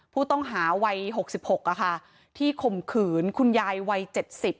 ผู้ต้องหาวัยหกสิบหกอะค่ะที่ข่มขืนคุณยายวัยเจ็ดสิบ